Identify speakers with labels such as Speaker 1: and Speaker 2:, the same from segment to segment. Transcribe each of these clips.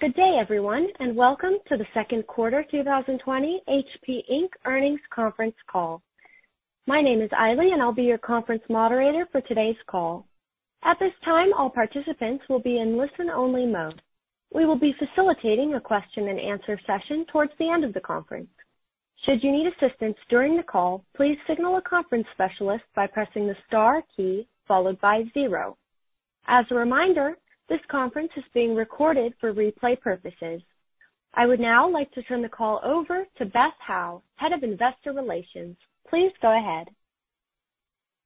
Speaker 1: Good day, everyone, and welcome to The Second Quarter 2020 HP Inc. Earnings Conference Call. My name is Ailey, and I'll be your conference moderator for today's call. At this time, all participants will be in listen-only mode. We will be facilitating a question and answer session towards the end of the conference. Should you need assistance during the call, please signal a conference specialist by pressing the star key followed by zero. As a reminder, this conference is being recorded for replay purposes. I would now like to turn the call over to Beth Howe, head of investor relations. Please go ahead.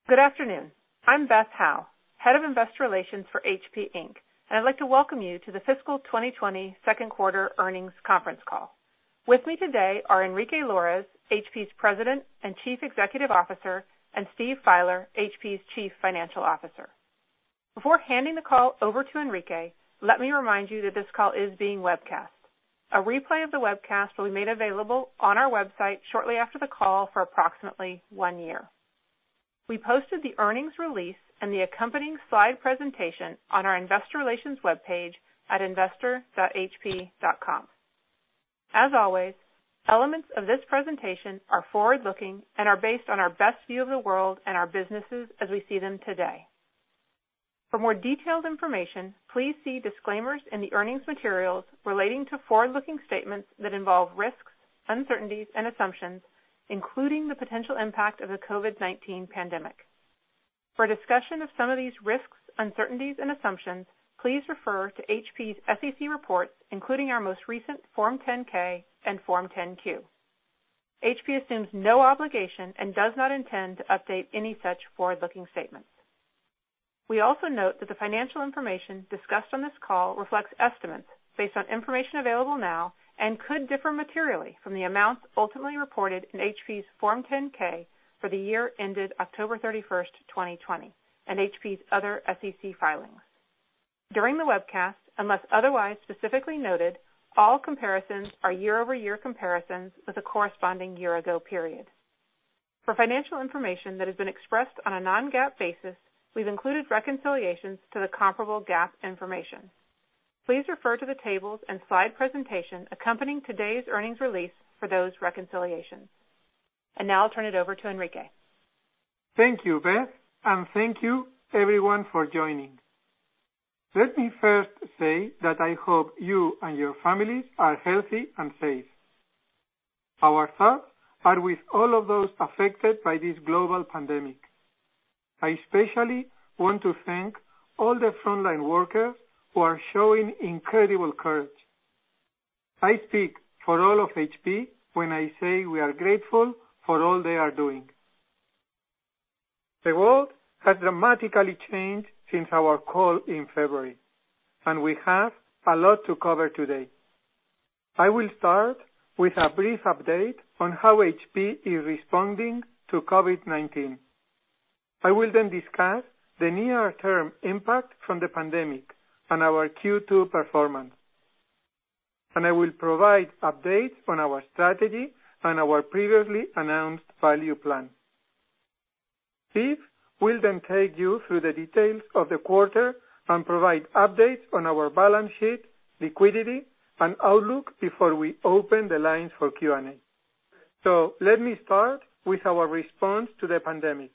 Speaker 2: Good afternoon. I'm Beth Howe, Head of Investor Relations for HP Inc., and I'd like to welcome you to the Fiscal 2020 Second Quarter Earnings Conference Call. With me today are Enrique Lores, HP's President and Chief Executive Officer, and Steve Fieler, HP's Chief Financial Officer. Before handing the call over to Enrique, let me remind you that this call is being webcast. A replay of the webcast will be made available on our website shortly after the call for approximately one year. We posted the earnings release and the accompanying slide presentation on our investor relations webpage at investor.hp.com. As always, elements of this presentation are forward-looking and are based on our best view of the world and our businesses as we see them today. For more detailed information, please see disclaimers in the earnings materials relating to forward-looking statements that involve risks, uncertainties, and assumptions, including the potential impact of the COVID-19 pandemic. For a discussion of some of these risks, uncertainties, and assumptions, please refer to HP's SEC reports, including our most recent Form 10-K and Form 10-Q. HP assumes no obligation and does not intend to update any such forward-looking statements. We also note that the financial information discussed on this call reflects estimates based on information available now and could differ materially from the amounts ultimately reported in HP's Form 10-K for the year ended October 31st, 2020, and HP's other SEC filings. During the webcast, unless otherwise specifically noted, all comparisons are year-over-year comparisons with the corresponding year ago period. For financial information that has been expressed on a non-GAAP basis, we've included reconciliations to the comparable GAAP information. Please refer to the tables and slide presentation accompanying today's earnings release for those reconciliations. Now I'll turn it over to Enrique.
Speaker 3: Thank you, Beth. Thank you everyone for joining. Let me first say that I hope you and your families are healthy and safe. Our thoughts are with all of those affected by this global pandemic. I especially want to thank all the frontline workers who are showing incredible courage. I speak for all of HP when I say we are grateful for all they are doing. The world has dramatically changed since our call in February, and we have a lot to cover today. I will start with a brief update on how HP is responding to COVID-19. I will then discuss the near-term impact from the pandemic and our Q2 performance. I will provide updates on our strategy and our previously announced value plan. Steve will take you through the details of the quarter and provide updates on our balance sheet, liquidity, and outlook before we open the lines for Q&A. Let me start with our response to the pandemic.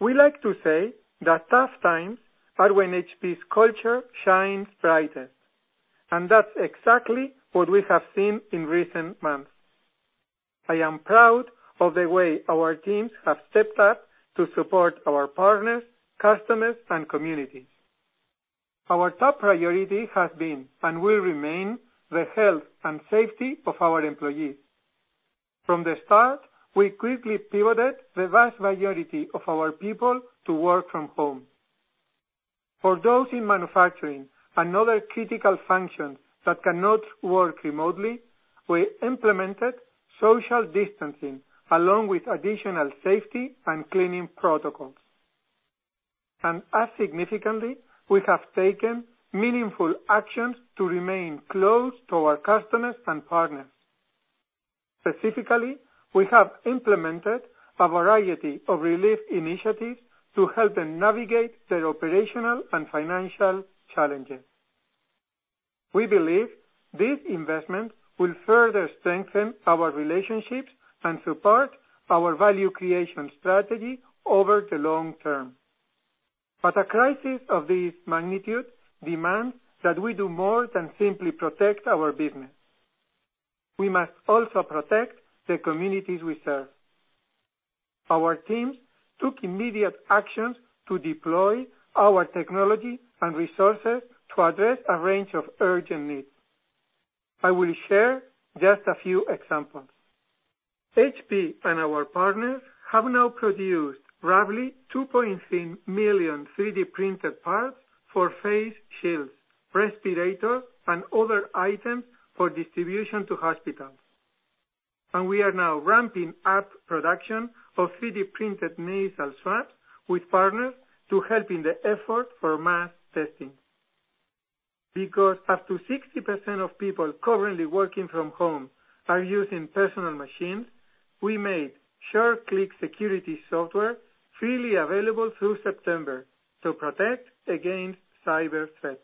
Speaker 3: We like to say that tough times are when HP's culture shines brightest, and that's exactly what we have seen in recent months. I am proud of the way our teams have stepped up to support our partners, customers, and communities. Our top priority has been, and will remain, the health and safety of our employees. From the start, we quickly pivoted the vast majority of our people to work from home. For those in manufacturing and other critical functions that cannot work remotely, we implemented social distancing along with additional safety and cleaning protocols. As significantly, we have taken meaningful actions to remain close to our customers and partners. Specifically, we have implemented a variety of relief initiatives to help them navigate their operational and financial challenges. We believe this investment will further strengthen our relationships and support our value creation strategy over the long term. A crisis of this magnitude demands that we do more than simply protect our business. We must also protect the communities we serve. Our teams took immediate actions to deploy our technology and resources to address a range of urgent needs. I will share just a few examples. HP and our partners have now produced roughly 2.3 million 3D-printed parts for face shields, respirators, and other items for distribution to hospitals. We are now ramping up production of 3D-printed nasal swabs with partners to help in the effort for mass testing. Because up to 60% of people currently working from home are using personal machines. We made Sure Click security software freely available through September to protect against cyber threats.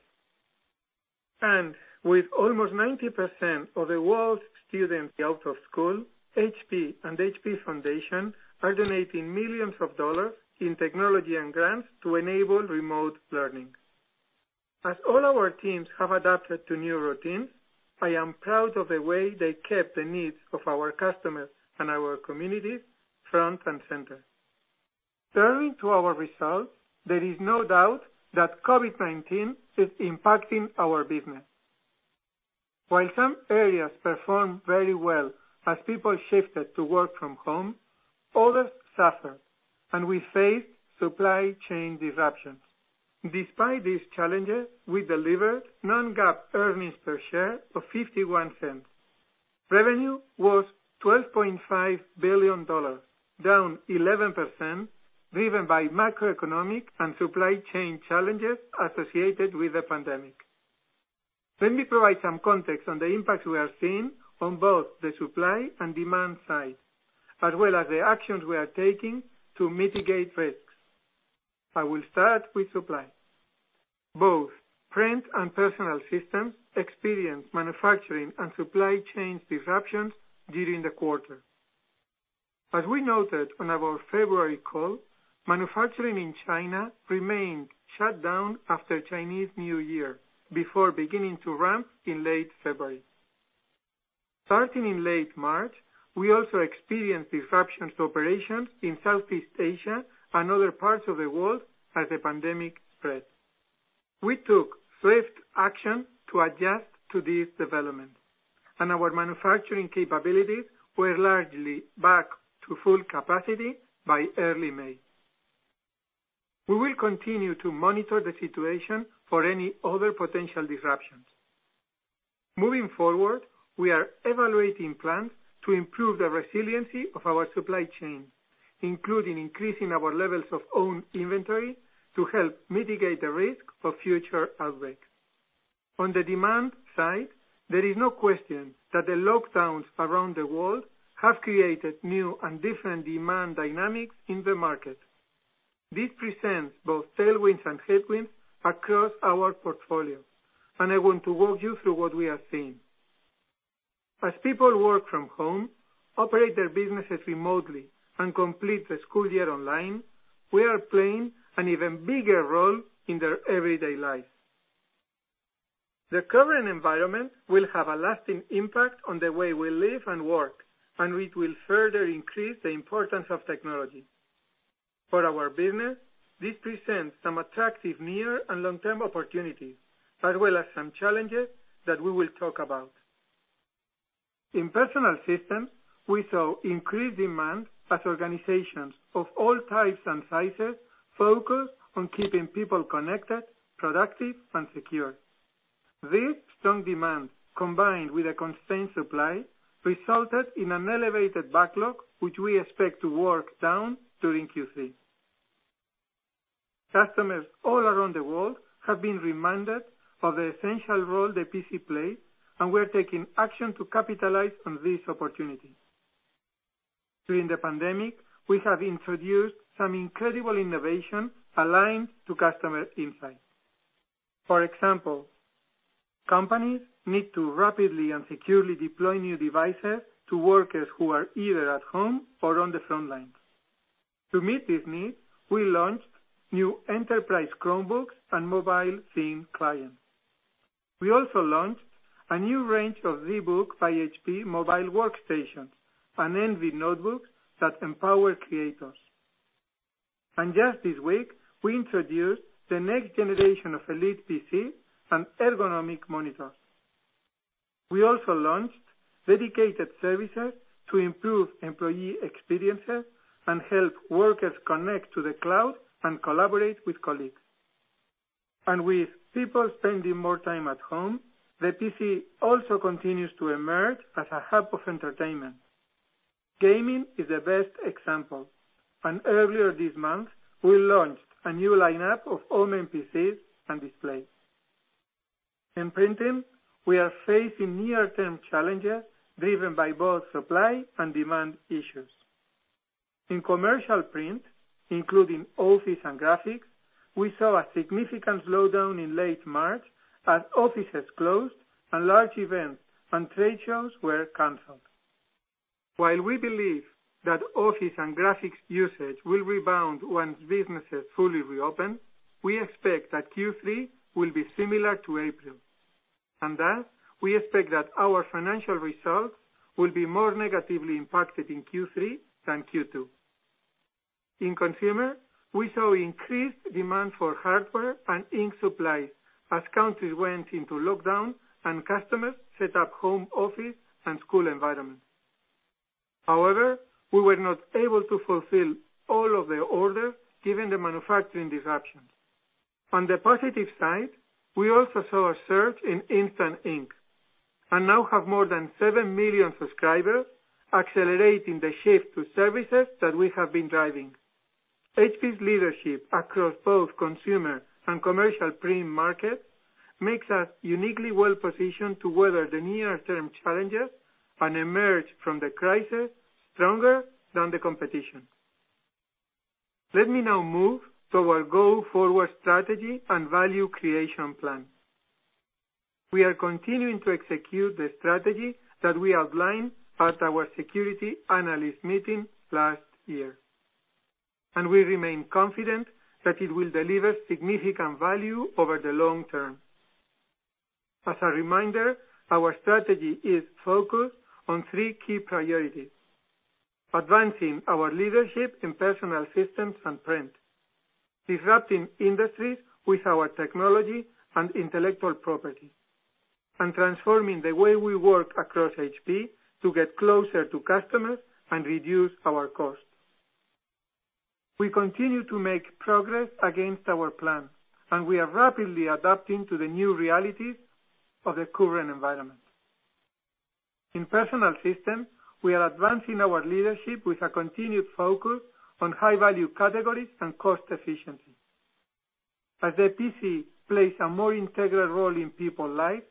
Speaker 3: With almost 90% of the world's students out of school, HP and HP Foundation are donating millions of dollars in technology and grants to enable remote learning. As all our teams have adapted to new routines, I am proud of the way they kept the needs of our customers and our communities front and center. Turning to our results, there is no doubt that COVID-19 is impacting our business. While some areas performed very well as people shifted to work from home, others suffered, and we faced supply chain disruptions. Despite these challenges, we delivered non-GAAP earnings per share of $0.51. Revenue was $12.5 billion, down 11%, driven by macroeconomic and supply chain challenges associated with the pandemic. Let me provide some context on the impacts we are seeing on both the supply and demand side, as well as the actions we are taking to mitigate risks. I will start with supply. Both print and personal systems experienced manufacturing and supply chain disruptions during the quarter. As we noted on our February call, manufacturing in China remained shut down after Chinese New Year, before beginning to ramp in late February. Starting in late March, we also experienced disruptions to operations in Southeast Asia and other parts of the world as the pandemic spread. We took swift action to adjust to these developments, and our manufacturing capabilities were largely back to full capacity by early May. We will continue to monitor the situation for any other potential disruptions. Moving forward, we are evaluating plans to improve the resiliency of our supply chain, including increasing our levels of owned inventory to help mitigate the risk of future outbreaks. On the demand side, there is no question that the lockdowns around the world have created new and different demand dynamics in the market. This presents both tailwinds and headwinds across our portfolio, and I want to walk you through what we are seeing. As people work from home, operate their businesses remotely, and complete the school year online, we are playing an even bigger role in their everyday lives. The current environment will have a lasting impact on the way we live and work, and it will further increase the importance of technology. For our business, this presents some attractive near and long-term opportunities, as well as some challenges that we will talk about. In Personal Systems, we saw increased demand as organizations of all types and sizes focus on keeping people connected, productive, and secure. This strong demand, combined with a constrained supply, resulted in an elevated backlog, which we expect to work down during Q3. Customers all around the world have been reminded of the essential role the PC plays, and we're taking action to capitalize on this opportunity. During the pandemic, we have introduced some incredible innovations aligned to customer insights. For example, companies need to rapidly and securely deploy new devices to workers who are either at home or on the front lines. To meet this need, we launched new Enterprise Chromebooks and mobile thin clients. We also launched a new range of ZBook by HP mobile workstations and ENVY notebooks that empower creators. Just this week, we introduced the next generation of Elite PC and ergonomic monitors. We also launched dedicated services to improve employee experiences and help workers connect to the cloud and collaborate with colleagues. With people spending more time at home, the PC also continues to emerge as a hub of entertainment. Gaming is the best example, and earlier this month, we launched a new lineup of OMEN PCs and displays. In Printing, we are facing near-term challenges driven by both supply and demand issues. In commercial print, including office and graphics, we saw a significant slowdown in late March as offices closed and large events and trade shows were canceled. While we believe that office and graphics usage will rebound once businesses fully reopen, we expect that Q3 will be similar to April. Thus, we expect that our financial results will be more negatively impacted in Q3 than Q2. In Consumer, we saw increased demand for hardware and ink supplies as countries went into lockdown and customers set up home office and school environments. However, we were not able to fulfill all of the orders given the manufacturing disruptions. On the positive side, we also saw a surge in Instant Ink and now have more than 7 million subscribers, accelerating the shift to services that we have been driving. HP's leadership across both consumer and commercial print markets makes us uniquely well-positioned to weather the near-term challenges and emerge from the crisis stronger than the competition. Let me now move to our go-forward strategy and value creation plan. We are continuing to execute the strategy that we outlined at our security analyst meeting last year, and we remain confident that it will deliver significant value over the long term. As a reminder, our strategy is focused on three key priorities: Advancing our leadership in Personal Systems and Print, disrupting industries with our technology and intellectual property, and transforming the way we work across HP to get closer to customers and reduce our costs. We continue to make progress against our plan, and we are rapidly adapting to the new realities of the current environment. In Personal Systems, we are advancing our leadership with a continued focus on high-value categories and cost efficiency. As the PC plays a more integral role in people's lives,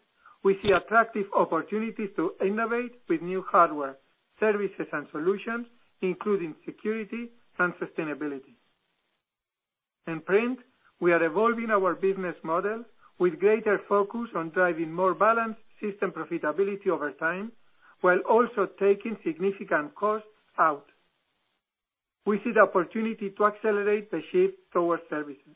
Speaker 3: we see attractive opportunities to innovate with new hardware, services, and solutions, including security and sustainability. In Print, we are evolving our business model with greater focus on driving more balanced system profitability over time, while also taking significant costs out. We see the opportunity to accelerate the shift towards services.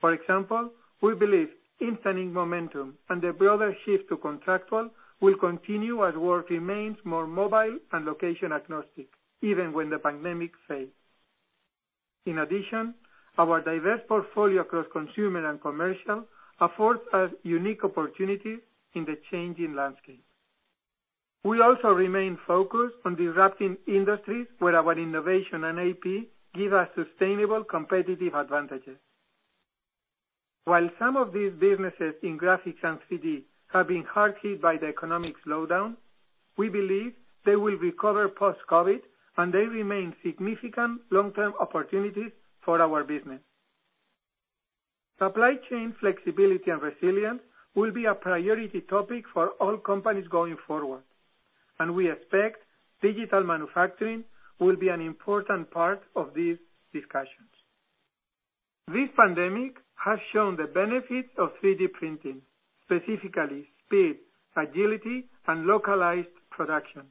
Speaker 3: For example, we believe Instant Ink momentum and the broader shift to contractual will continue as work remains more mobile and location-agnostic, even when the pandemic fades. In addition, our diverse portfolio across consumer and commercial affords us unique opportunities in the changing landscape. We also remain focused on disrupting industries where our innovation and IP give us sustainable competitive advantages. While some of these businesses in graphics and 3D have been hard hit by the economic slowdown, we believe they will recover post-COVID, and they remain significant long-term opportunities for our business. Supply chain flexibility and resilience will be a priority topic for all companies going forward, and we expect digital manufacturing will be an important part of these discussions. This pandemic has shown the benefits of 3D printing, specifically speed, agility, and localized production.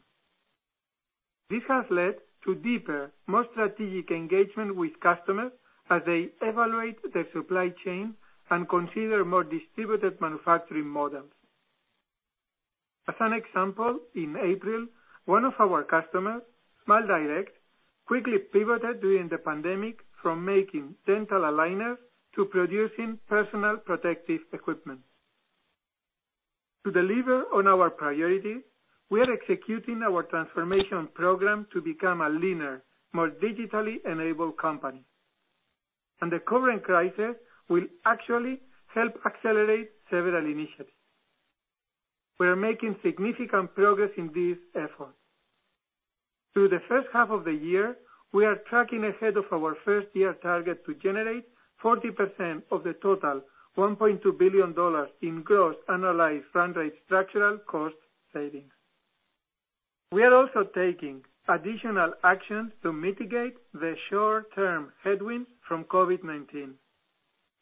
Speaker 3: This has led to deeper, more strategic engagement with customers as they evaluate their supply chain and consider more distributed manufacturing models. As an example, in April, one of our customers, SmileDirectClub, quickly pivoted during the pandemic from making dental aligners to producing personal protective equipment. To deliver on our priorities, we are executing our transformation program to become a leaner, more digitally enabled company, and the current crisis will actually help accelerate several initiatives. We are making significant progress in this effort. Through the first half of the year, we are tracking ahead of our first-year target to generate 40% of the total $1.2 billion in gross annualized run rate structural cost savings. We are also taking additional actions to mitigate the short-term headwinds from COVID-19.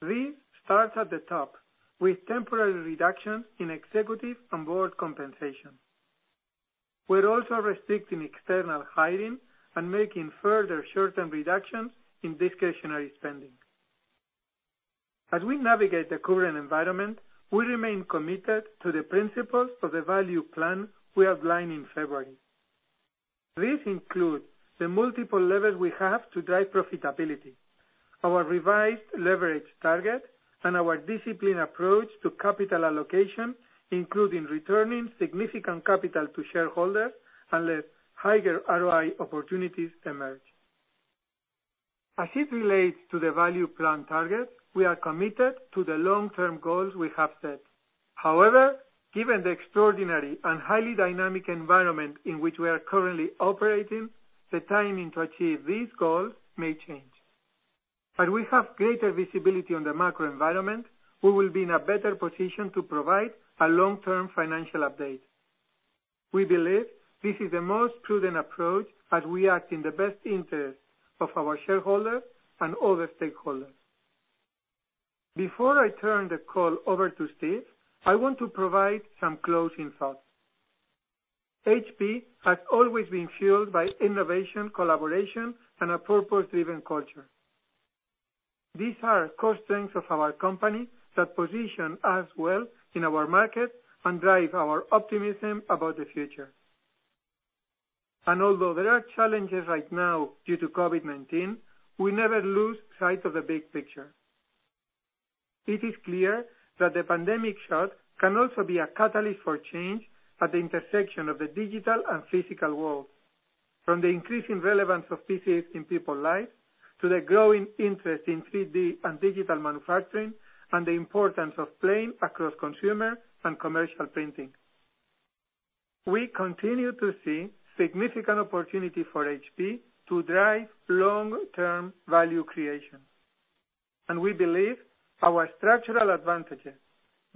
Speaker 3: This starts at the top, with temporary reductions in executive and board compensation. We're also restricting external hiring and making further short-term reductions in discretionary spending. As we navigate the current environment, we remain committed to the principles of the value plan we outlined in February. This includes the multiple levers we have to drive profitability, our revised leverage target, and our disciplined approach to capital allocation, including returning significant capital to shareholders unless higher ROI opportunities emerge. As it relates to the value plan targets, we are committed to the long-term goals we have set. However, given the extraordinary and highly dynamic environment in which we are currently operating, the timing to achieve these goals may change. As we have greater visibility on the macro environment, we will be in a better position to provide a long-term financial update. We believe this is the most prudent approach as we act in the best interest of our shareholders and other stakeholders. Before I turn the call over to Steve, I want to provide some closing thoughts. HP has always been fueled by innovation, collaboration, and a purpose-driven culture. These are core strengths of our company that position us well in our market and drive our optimism about the future. Although there are challenges right now due to COVID-19, we never lose sight of the big picture. It is clear that the pandemic shock can also be a catalyst for change at the intersection of the digital and physical worlds, from the increasing relevance of PCs in people's lives to the growing interest in 3D and digital manufacturing, and the importance of playing across consumer and commercial printing. We continue to see significant opportunity for HP to drive long-term value creation, and we believe our structural advantages,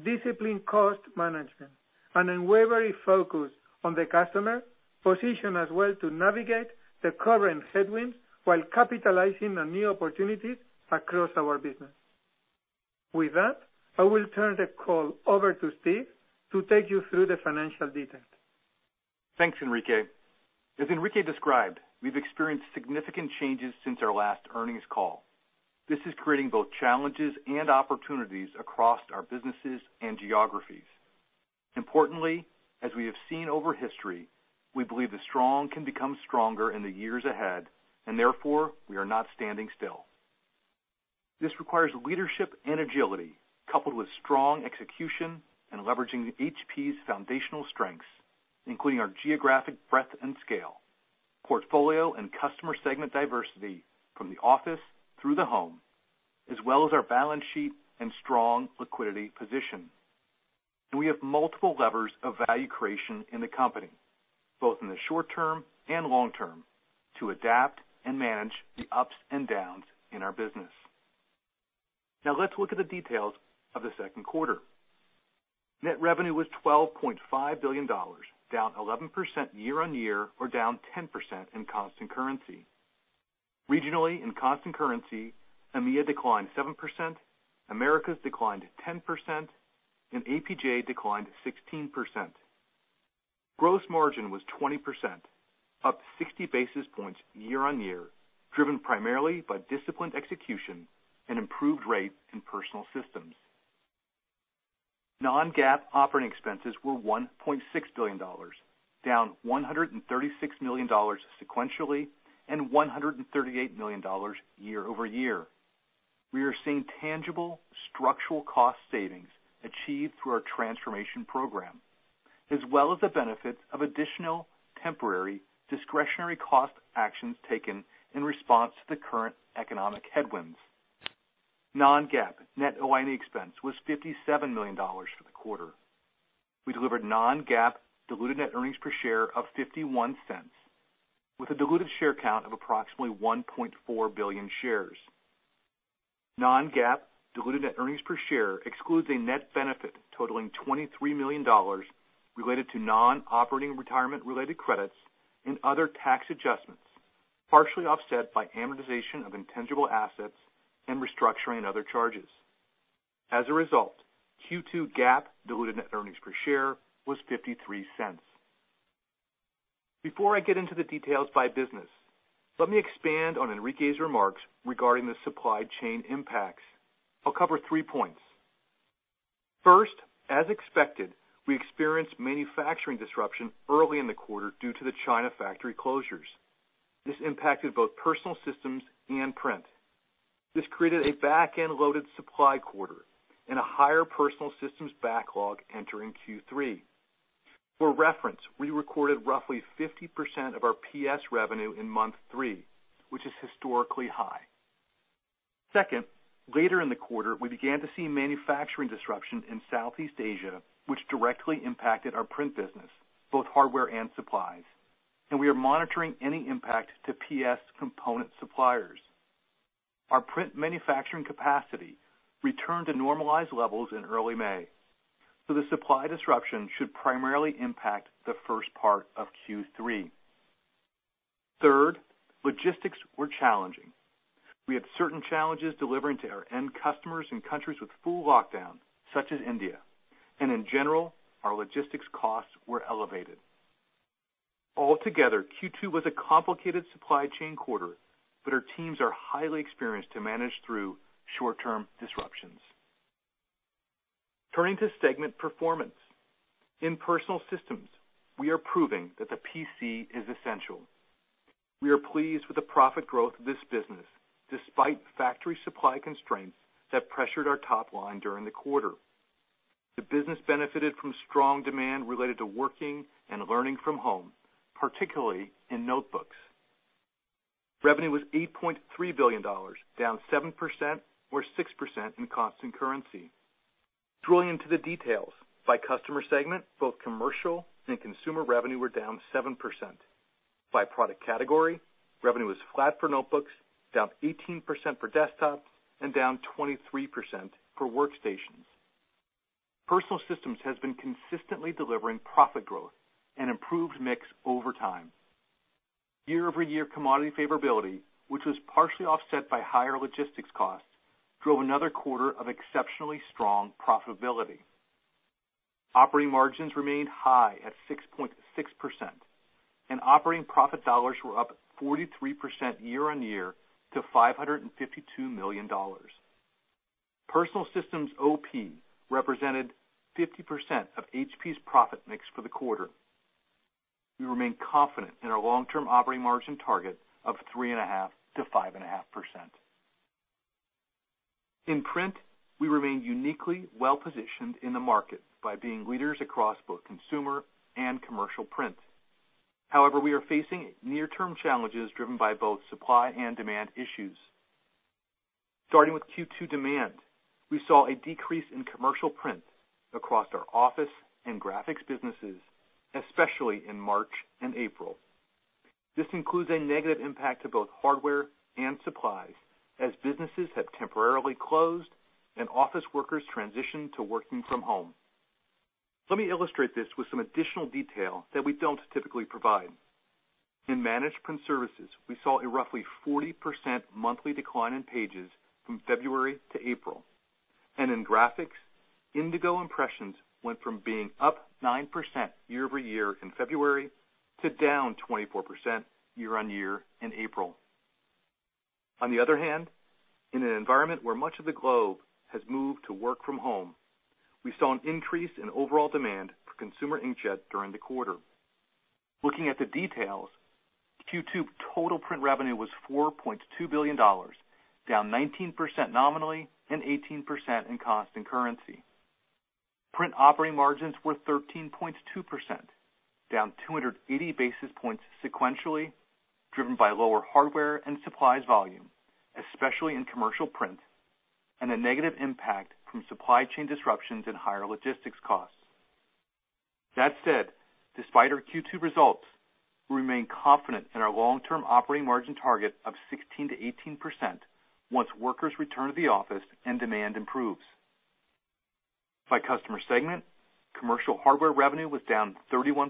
Speaker 3: disciplined cost management, and unwavering focus on the customer position us well to navigate the current headwinds while capitalizing on new opportunities across our business. With that, I will turn the call over to Steve to take you through the financial details.
Speaker 4: Thanks, Enrique. As Enrique described, we've experienced significant changes since our last earnings call. This is creating both challenges and opportunities across our businesses and geographies. Importantly, as we have seen over history, we believe the strong can become stronger in the years ahead, and therefore, we are not standing still. This requires leadership and agility, coupled with strong execution and leveraging HP's foundational strengths, including our geographic breadth and scale, portfolio and customer segment diversity from the office through the home, as well as our balance sheet and strong liquidity position. We have multiple levers of value creation in the company, both in the short term and long term, to adapt and manage the ups and downs in our business. Now let's look at the details of the second quarter. Net revenue was $12.5 billion, down 11% year-on-year or down 10% in constant currency. Regionally, in constant currency, EMEA declined 7%, Americas declined 10%, and APJ declined 16%. Gross margin was 20%, up 60 basis points year-on-year, driven primarily by disciplined execution and improved rate in personal systems. Non-GAAP operating expenses were $1.6 billion, down $136 million sequentially and $138 million year-over-year. We are seeing tangible structural cost savings achieved through our transformation program, as well as the benefits of additional temporary discretionary cost actions taken in response to the current economic headwinds. Non-GAAP net OIE expense was $57 million for the Q2. We delivered non-GAAP diluted net earnings per share of $0.51 with a diluted share count of approximately 1.4 billion shares. Non-GAAP diluted net earnings per share excludes a net benefit totaling $23 million related to non-operating retirement-related credits and other tax adjustments, partially offset by amortization of intangible assets and restructuring other charges. As a result, Q2 GAAP diluted net earnings per share was $0.53. Before I get into the details by business, let me expand on Enrique's remarks regarding the supply chain impacts. I'll cover three points. First, as expected, we experienced manufacturing disruption early in the quarter due to the China factory closures. This impacted both Personal Systems and Print. This created a back-end loaded supply quarter and a higher Personal Systems backlog entering Q3. For reference, we recorded roughly 50% of our PS revenue in month three, which is historically high. Second, later in the quarter, we began to see manufacturing disruption in Southeast Asia, which directly impacted our Print business, both hardware and supplies. We are monitoring any impact to PS component suppliers. Our Print manufacturing capacity returned to normalized levels in early May, the supply disruption should primarily impact the first part of Q3. Third, logistics were challenging. We had certain challenges delivering to our end customers in countries with full lockdown, such as India. In general, our logistics costs were elevated. Altogether, Q2 was a complicated supply chain quarter, but our teams are highly experienced to manage through short-term disruptions. Turning to segment performance. In Personal Systems, we are proving that the PC is essential. We are pleased with the profit growth of this business, despite factory supply constraints that pressured our top line during the quarter. The business benefited from strong demand related to working and learning from home, particularly in notebooks. Revenue was $8.3 billion, down 7% or 6% in constant currency. Drilling into the details by customer segment, both commercial and consumer revenue were down 7%. By product category, revenue was flat for notebooks, down 18% for desktops and down 23% for workstations. Personal Systems has been consistently delivering profit growth and improved mix over time. Year-over-year commodity favorability, which was partially offset by higher logistics costs, drove another quarter of exceptionally strong profitability. Operating margins remained high at 6.6%, and operating profit dollars were up 43% year-on-year to $552 million. Personal Systems OP represented 50% of HP's profit mix for the quarter. We remain confident in our long-term operating margin target of 3.5%-5.5%. In Print, we remain uniquely well-positioned in the market by being leaders across both consumer and commercial print. We are facing near-term challenges driven by both supply and demand issues. Starting with Q2 demand, we saw a decrease in commercial print across our office and graphics businesses, especially in March and April. This includes a negative impact to both hardware and supplies as businesses have temporarily closed and office workers transitioned to working from home. Let me illustrate this with some additional detail that we don't typically provide. In managed print services, we saw a roughly 40% monthly decline in pages from February to April. In graphics, Indigo impressions went from being up 9% year-over-year in February to down 24% year-on-year in April. On the other hand, in an environment where much of the globe has moved to work from home, we saw an increase in overall demand for consumer inkjet during the quarter. Looking at the details, Q2 total print revenue was $4.2 billion, down 19% nominally and 18% in constant currency. Print operating margins were 13.2%, down 280 basis points sequentially, driven by lower hardware and supplies volume, especially in commercial print, and a negative impact from supply chain disruptions and higher logistics costs. That said, despite our Q2 results, we remain confident in our long-term operating margin target of 16%-18% once workers return to the office and demand improves. By customer segment, commercial hardware revenue was down 31%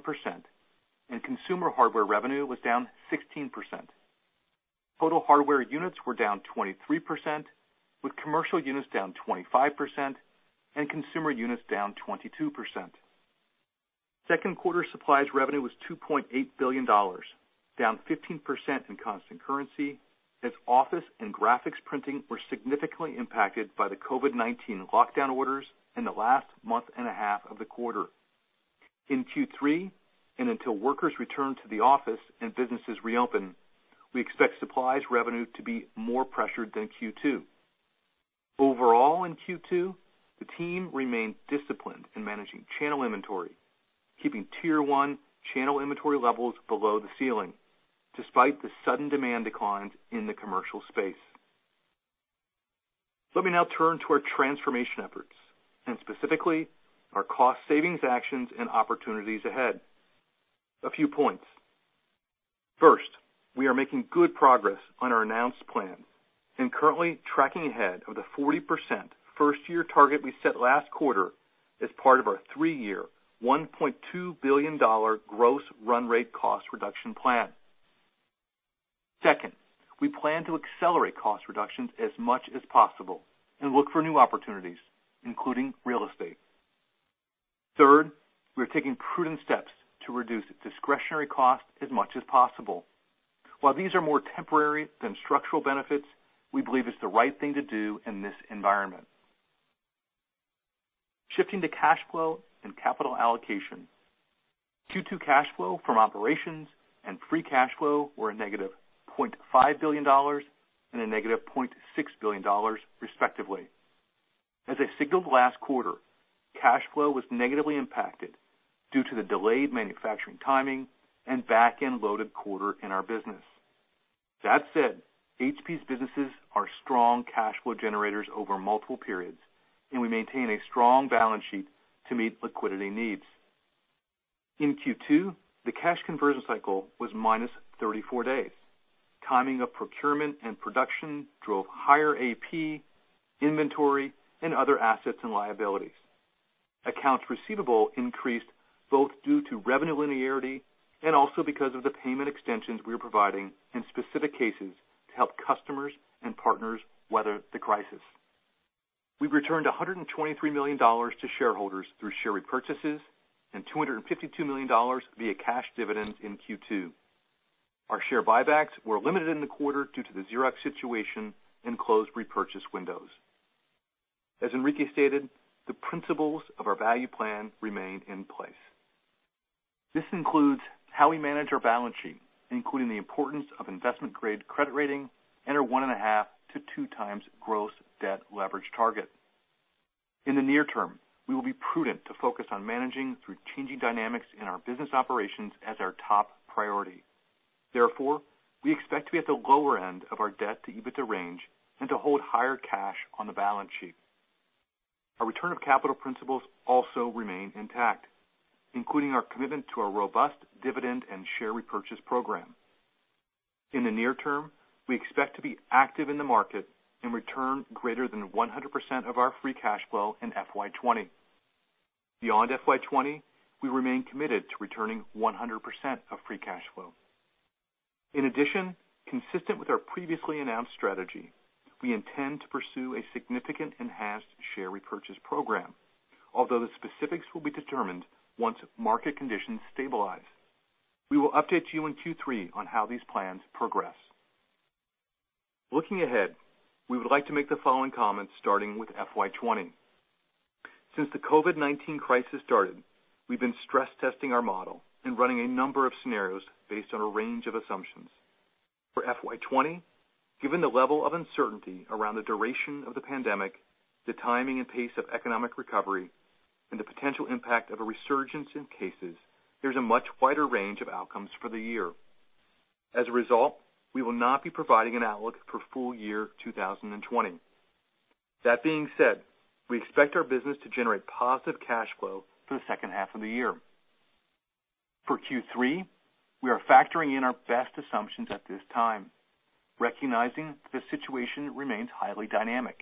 Speaker 4: and consumer hardware revenue was down 16%. Total hardware units were down 23%, with commercial units down 25% and consumer units down 22%. Second quarter supplies revenue was $2.8 billion, down 15% in constant currency as office and graphics printing were significantly impacted by the COVID-19 lockdown orders in the last month and a half of the quarter. Until workers return to the office and businesses reopen, we expect supplies revenue to be more pressured than Q2. Overall, in Q2, the team remained disciplined in managing channel inventory, keeping tier one channel inventory levels below the ceiling despite the sudden demand declines in the commercial space. Let me now turn to our transformation efforts and specifically our cost savings actions and opportunities ahead. A few points. First, we are making good progress on our announced plan and currently tracking ahead of the 40% first-year target we set last quarter as part of our three-year, $1.2 billion gross run rate cost reduction plan. Second, we plan to accelerate cost reductions as much as possible and look for new opportunities, including real estate. Third, we are taking prudent steps to reduce discretionary costs as much as possible. While these are more temporary than structural benefits, we believe it's the right thing to do in this environment. Shifting to cash flow and capital allocation. Q2 cash flow from operations and free cash flow were a -$0.5 billion and a -$0.6 billion, respectively. As I signaled last quarter, cash flow was negatively impacted due to the delayed manufacturing timing and back-end loaded quarter in our business. That said, HP's businesses are strong cash flow generators over multiple periods, and we maintain a strong balance sheet to meet liquidity needs. In Q2, the cash conversion cycle was -34 days. Timing of procurement and production drove higher AP, inventory, and other assets and liabilities. Accounts receivable increased both due to revenue linearity and also because of the payment extensions we are providing in specific cases to help customers and partners weather the crisis. We've returned $123 million to shareholders through share repurchases and $252 million via cash dividends in Q2. Our share buybacks were limited in the quarter due to the Xerox situation and closed repurchase windows. As Enrique stated, the principles of our value plan remain in place. This includes how we manage our balance sheet, including the importance of investment-grade credit rating and our 1.5x-2x gross debt leverage target. In the near term, we will be prudent to focus on managing through changing dynamics in our business operations as our top priority. Therefore, we expect to be at the lower end of our debt-to-EBITDA range and to hold higher cash on the balance sheet. Our return of capital principles also remain intact, including our commitment to our robust dividend and share repurchase program. In the near term, we expect to be active in the market and return greater than 100% of our free cash flow in FY20. Beyond FY20, we remain committed to returning 100% of free cash flow. In addition, consistent with our previously announced strategy, we intend to pursue a significant enhanced share repurchase program. Although the specifics will be determined once market conditions stabilize. We will update you in Q3 on how these plans progress. Looking ahead, we would like to make the following comments, starting with FY 2020. Since the COVID-19 crisis started, we've been stress testing our model and running a number of scenarios based on a range of assumptions. For FY 2020, given the level of uncertainty around the duration of the pandemic, the timing and pace of economic recovery, and the potential impact of a resurgence in cases, there's a much wider range of outcomes for the year. As a result, we will not be providing an outlook for full year 2020. That being said, we expect our business to generate positive cash flow for the second half of the year. For Q3, we are factoring in our best assumptions at this time, recognizing the situation remains highly dynamic.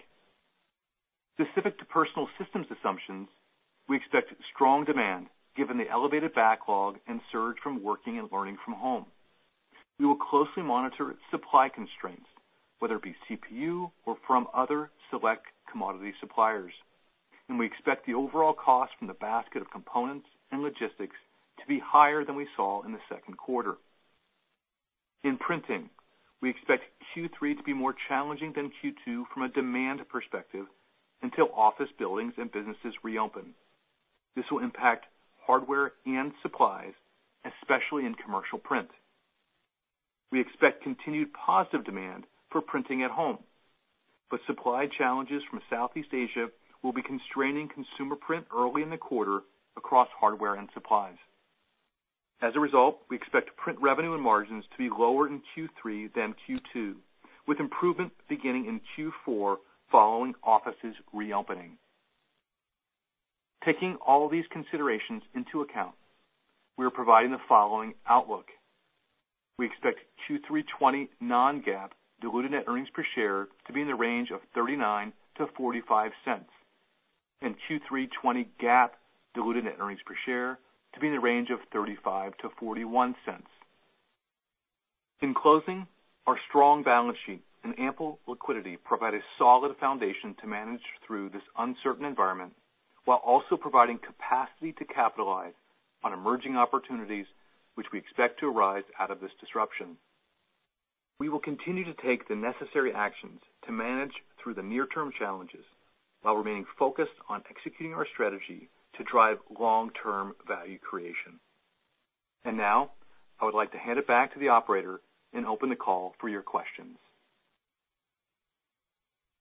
Speaker 4: Specific to personal systems assumptions, we expect strong demand given the elevated backlog and surge from working and learning from home. We will closely monitor supply constraints, whether it be CPU or from other select commodity suppliers, and we expect the overall cost from the basket of components and logistics to be higher than we saw in the second quarter. In printing, we expect Q3 to be more challenging than Q2 from a demand perspective until office buildings and businesses reopen. This will impact hardware and supplies, especially in commercial print. We expect continued positive demand for printing at home, but supply challenges from Southeast Asia will be constraining consumer print early in the quarter across hardware and supplies. As a result, we expect print revenue and margins to be lower in Q3 than Q2, with improvement beginning in Q4 following offices reopening. Taking all of these considerations into account, we are providing the following outlook. We expect Q3 2020 non-GAAP diluted net earnings per share to be in the range of $0.39-$0.45, and Q3 2020 GAAP diluted net earnings per share to be in the range of $0.35-$0.41. In closing, our strong balance sheet and ample liquidity provide a solid foundation to manage through this uncertain environment while also providing capacity to capitalize on emerging opportunities which we expect to arise out of this disruption. We will continue to take the necessary actions to manage through the near term challenges while remaining focused on executing our strategy to drive long-term value creation. Now, I would like to hand it back to the operator and open the call for your questions.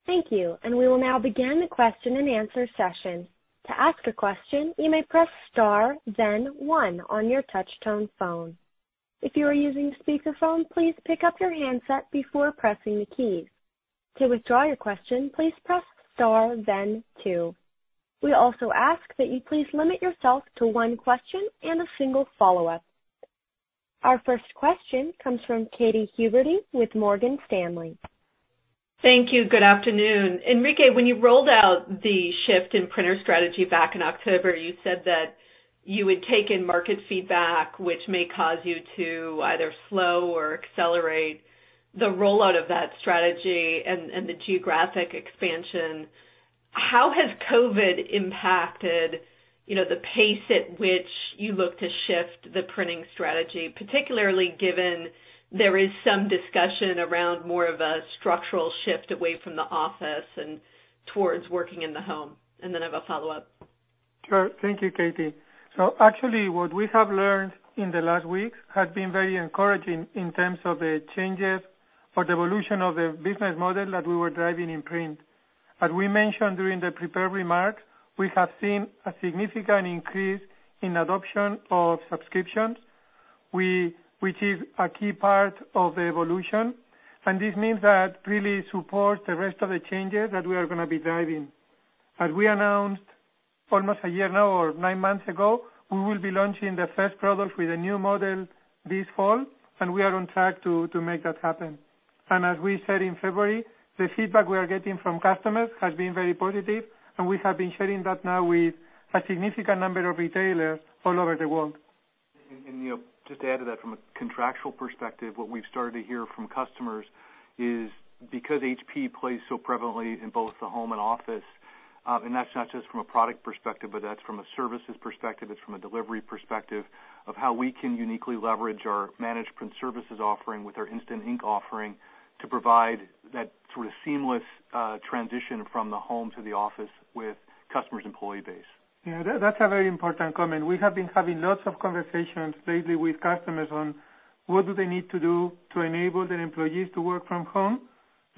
Speaker 1: Thank you, and we will now begin the question and answer session. To ask a question, you may press star then one on your touch tone phone. If you are using a speakerphone, please pick up your handset before pressing the keys. To withdraw your question, please press star then two. We also ask that you please limit yourself to one question and a single follow-up. Our first question comes from Katy Huberty with Morgan Stanley.
Speaker 5: Thank you. Good afternoon. Enrique, when you rolled out the shift in printer strategy back in October, you said that you would take in market feedback, which may cause you to either slow or accelerate the rollout of that strategy and the geographic expansion. How has COVID impacted the pace at which you look to shift the printing strategy, particularly given there is some discussion around more of a structural shift away from the office and towards working in the home? I've a follow-up.
Speaker 3: Sure. Thank you, Katy. Actually, what we have learned in the last weeks has been very encouraging in terms of the changes for the evolution of the business model that we were driving in print. As we mentioned during the prepared remarks, we have seen a significant increase in adoption of subscriptions, which is a key part of the evolution. This means that really supports the rest of the changes that we are going to be driving. As we announced almost a year now or nine months ago, we will be launching the first product with a new model this fall, and we are on track to make that happen. As we said in February, the feedback we are getting from customers has been very positive, and we have been sharing that now with a significant number of retailers all over the world.
Speaker 4: Just to add to that from a contractual perspective, what we've started to hear from customers is because HP plays so prevalently in both the home and office, and that's not just from a product perspective, but that's from a services perspective, it's from a delivery perspective of how we can uniquely leverage our managed print services offering with our Instant Ink offering to provide that sort of seamless transition from the home to the office with customers' employee base.
Speaker 3: Yeah, that's a very important comment. We have been having lots of conversations lately with customers on what do they need to do to enable their employees to work from home.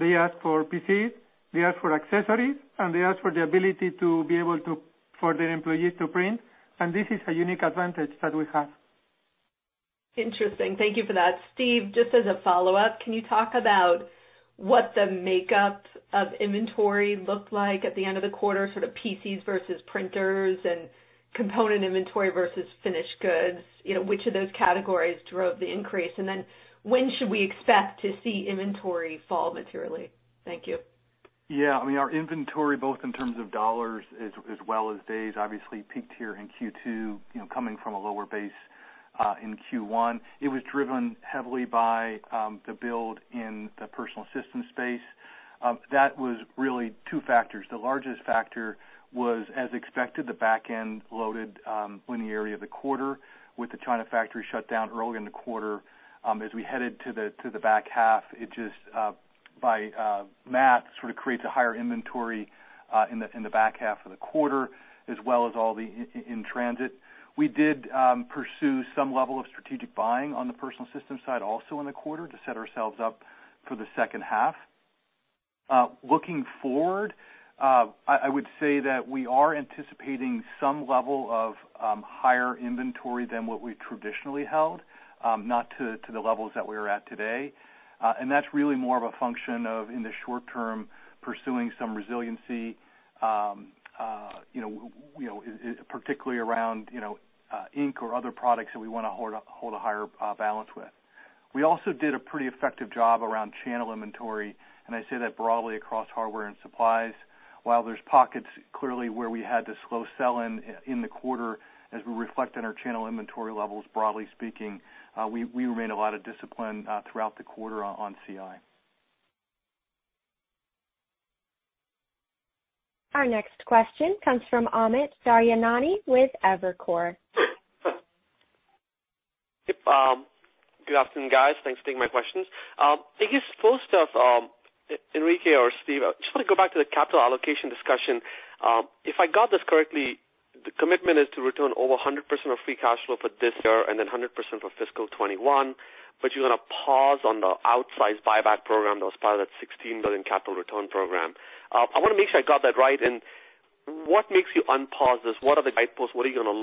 Speaker 3: They ask for PCs, they ask for accessories, and they ask for the ability to be able to, for their employees to print. This is a unique advantage that we have.
Speaker 5: Interesting. Thank you for that. Steve, just as a follow-up, can you talk about what the makeup of inventory looked like at the end of the quarter, sort of PCs versus printers and component inventory versus finished goods? Which of those categories drove the increase? When should we expect to see inventory fall materially? Thank you.
Speaker 4: I mean, our inventory, both in terms of dollars as well as days, obviously peaked here in Q2, coming from a lower base, in Q1. It was driven heavily by the build in the personal system space. That was really two factors. The largest factor was, as expected, the back end loaded linearity of the quarter with the China factory shut down early in the quarter. We headed to the back half, it just by math, sort of creates a higher inventory in the back half of the quarter as well as all the in transit. We did pursue some level of strategic buying on the personal system side also in the quarter to set ourselves up for the second half. Looking forward, I would say that we are anticipating some level of higher inventory than what we traditionally held, not to the levels that we are at today. That's really more of a function of, in the short term, pursuing some resiliency, particularly around ink or other products that we want to hold a higher balance with. We also did a pretty effective job around channel inventory, and I say that broadly across hardware and supplies. While there's pockets clearly where we had this slow sell in the quarter as we reflect on our channel inventory levels, broadly speaking, we remain a lot of discipline throughout the quarter on CI.
Speaker 1: Our next question comes from Amit Daryanani with Evercore.
Speaker 6: Yep. Good afternoon, guys. Thanks for taking my questions. I guess first off, Enrique or Steve, I just want to go back to the capital allocation discussion. If I got this correctly, the commitment is to return over 100% of free cash flow for this year and then 100% for FY2021, but you're going to pause on the outsized buyback program that was part of that $16 billion capital return program. I want to make sure I got that right, and what makes you unpause this? What are the guideposts? What are you going to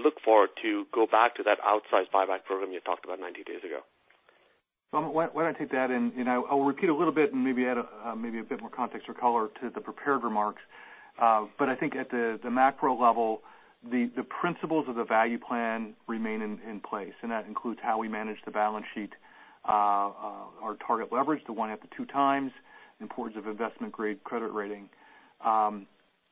Speaker 6: look for to go back to that outsized buyback program you talked about 90 days ago?
Speaker 4: Amit, why don't I take that? I'll repeat a little bit and maybe add a bit more context or color to the prepared remarks. I think at the macro level, the principles of the value plan remain in place, and that includes how we manage the balance sheet, our target leverage to 1.5x-2x, importance of investment-grade credit rating.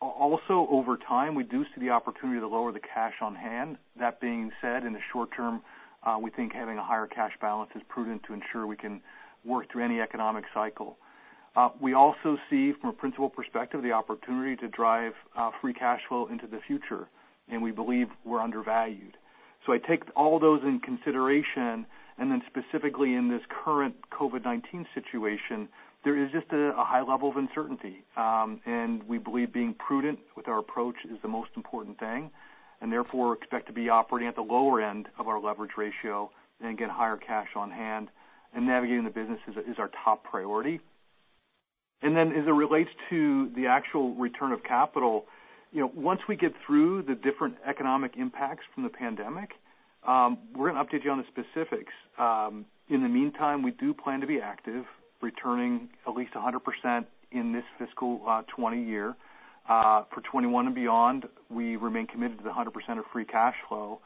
Speaker 4: Also, over time, we do see the opportunity to lower the cash on hand. That being said, in the short term, we think having a higher cash balance is prudent to ensure we can work through any economic cycle. We also see from a principal perspective the opportunity to drive free cash flow into the future, and we believe we're undervalued. I take all those in consideration, and then specifically in this current COVID-19 situation, there is just a high level of uncertainty. We believe being prudent with our approach is the most important thing, therefore expect to be operating at the lower end of our leverage ratio, get higher cash on hand, navigating the business is our top priority. As it relates to the actual return of capital, once we get through the different economic impacts from the pandemic, we're going to update you on the specifics. In the meantime, we do plan to be active, returning at least 100% in this fiscal 2020 year. For 2021 and beyond, we remain committed to the 100% of free cash flow,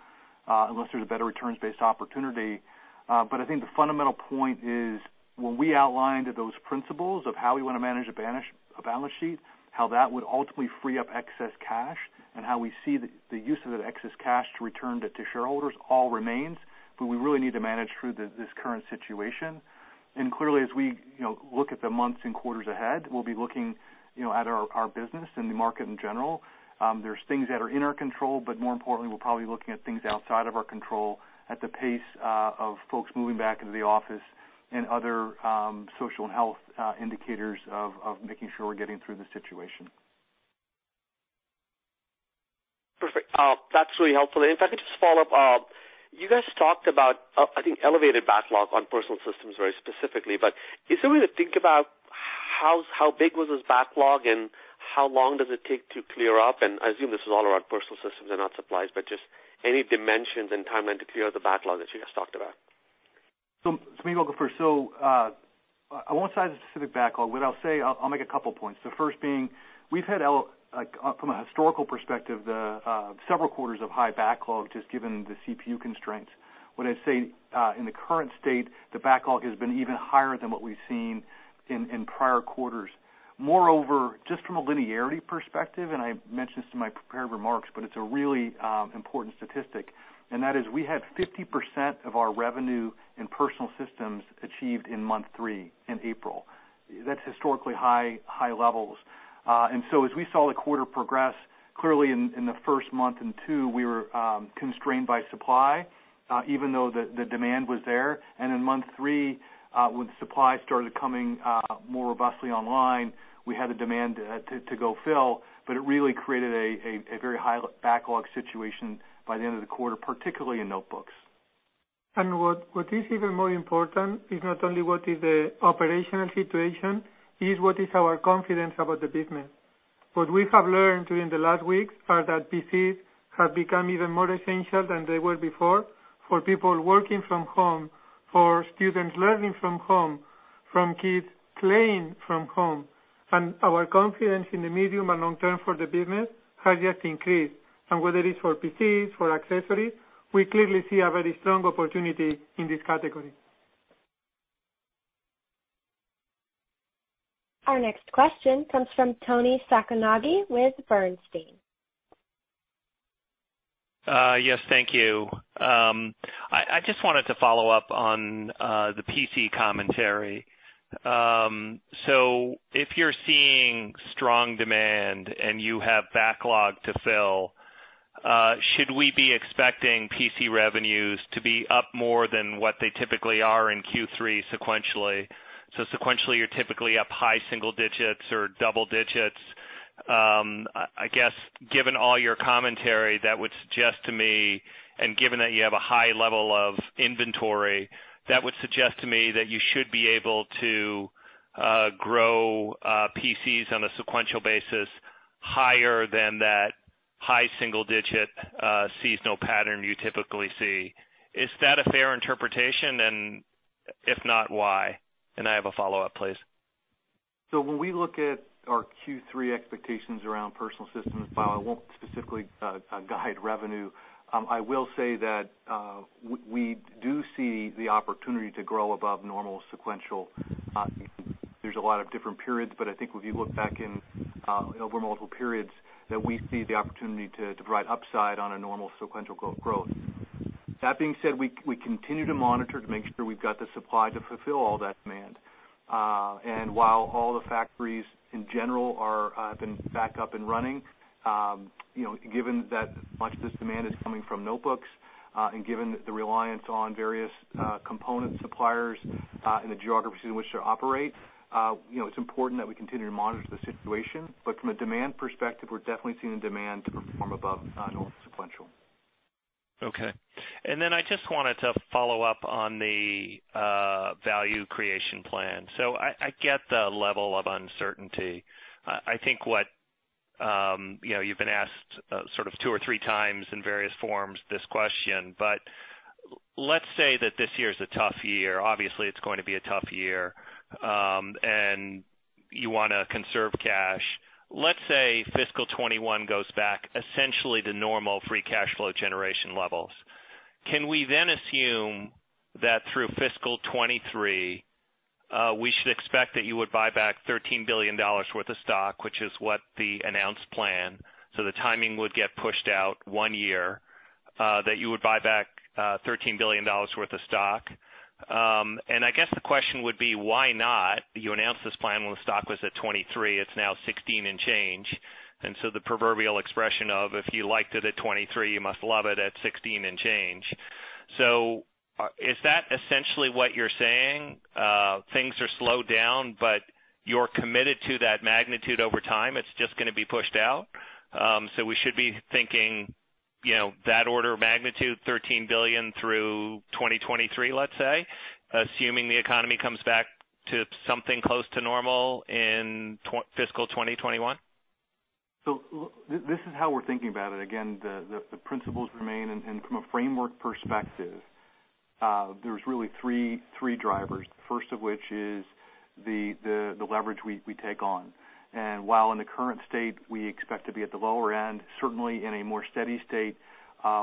Speaker 4: unless there's a better returns-based opportunity. I think the fundamental point is when we outlined those principles of how we want to manage a balance sheet, how that would ultimately free up excess cash, and how we see the use of that excess cash to return to shareholders all remains. We really need to manage through this current situation. Clearly, as we look at the months and quarters ahead, we'll be looking at our business and the market in general. There's things that are in our control, but more importantly, we're probably looking at things outside of our control at the pace of folks moving back into the office and other social and health indicators of making sure we're getting through the situation.
Speaker 6: Perfect. That's really helpful. If I could just follow up. You guys talked about, I think, elevated backlog on Personal Systems very specifically. Is there a way to think about how big was this backlog, and how long does it take to clear up? I assume this is all around Personal Systems and not supplies, but just any dimensions and timeline to clear the backlog that you guys talked about.
Speaker 4: Maybe I'll go first. I won't size the specific backlog, but I'll make a couple points. The first being, we've had, from a historical perspective, several quarters of high backlog just given the CPU constraints. What I'd say, in the current state, the backlog has been even higher than what we've seen in prior quarters. Moreover, just from a linearity perspective, and I mentioned this in my prepared remarks, but it's a really important statistic, and that is we had 50% of our revenue in Personal Systems achieved in month three, in April. That's historically high levels. As we saw the quarter progress, clearly in the first month and two, we were constrained by supply even though the demand was there. In month three, when supply started coming more robustly online, we had the demand to go fill, but it really created a very high backlog situation by the end of the quarter, particularly in notebooks.
Speaker 3: What is even more important is not only what is the operational situation, is what is our confidence about the business. What we have learned during the last weeks are that PCs have become even more essential than they were before for people working from home, for students learning from home, from kids playing from home. Our confidence in the medium and long term for the business has yet increased. Whether it's for PCs, for accessories, we clearly see a very strong opportunity in this category.
Speaker 1: Our next question comes from Toni Sacconaghi with Bernstein.
Speaker 7: Yes. Thank you. I just wanted to follow up on the PC commentary. If you're seeing strong demand and you have backlog to fill, should we be expecting PC revenues to be up more than what they typically are in Q3 sequentially? Sequentially, you're typically up high single digits or double digits. I guess, given all your commentary and given that you have a high level of inventory, that would suggest to me that you should be able to grow PCs on a sequential basis higher than that high single-digit seasonal pattern you typically see. Is that a fair interpretation? If not, why? I have a follow-up, please.
Speaker 4: When we look at our Q3 expectations around personal systems, while I won't specifically guide revenue, I will say that we do see the opportunity to grow above normal sequential. There's a lot of different periods. I think if you look back over multiple periods, that we see the opportunity to provide upside on a normal sequential growth. That being said, we continue to monitor to make sure we've got the supply to fulfill all that demand. While all the factories in general have been back up and running, given that much of this demand is coming from notebooks, and given the reliance on various component suppliers in the geographies in which they operate, it's important that we continue to monitor the situation. From a demand perspective, we're definitely seeing the demand to perform above normal sequential.
Speaker 7: Okay. I just wanted to follow up on the value creation plan. I get the level of uncertainty. I think what you've been asked sort of two or three times in various forms this question, let's say that this year's a tough year. Obviously, it's going to be a tough year. You want to conserve cash. Let's say fiscal 2021 goes back essentially to normal free cash flow generation levels. Can we then assume that through fiscal 2023, we should expect that you would buy back $13 billion worth of stock, which is what the announced plan, so the timing would get pushed out one year, that you would buy back $13 billion worth of stock? I guess the question would be, why not? You announced this plan when the stock was at 23. It's now 16 and change. The proverbial expression of, if you liked it at 23, you must love it at 16 and change. Is that essentially what you're saying? Things are slowed down, but you're committed to that magnitude over time. It's just going to be pushed out. We should be thinking that order of magnitude, $13 billion through 2023, let's say, assuming the economy comes back to something close to normal in fiscal 2021?
Speaker 4: This is how we're thinking about it. Again, the principles remain, and from a framework perspective, there's really three drivers, the first of which is the leverage we take on. While in the current state, we expect to be at the lower end, certainly in a more steady state,